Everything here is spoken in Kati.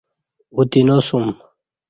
اوتیناسُوم